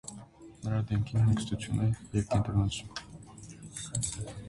Նրա դեմքին հանգստություն է և կենտրոնացում։